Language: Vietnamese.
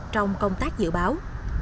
trong công tác dự báo